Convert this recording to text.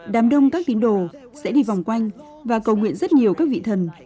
đám đông các tín đồ sẽ đi vòng quanh và cầu nguyện rất nhiều các vị thần